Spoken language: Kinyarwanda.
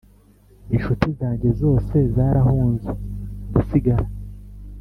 inshuti zanjye zose zarahunze ndasigara